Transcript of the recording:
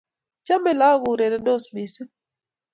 Chamei lagok kourerendos missing'